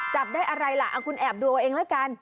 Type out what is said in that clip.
จับได้อะไรล่ะเอาคุณแอบดูเอาเองแล้วกัน